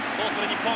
日本。